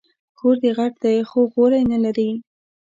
کور دي غټ دی خو غولی نه لري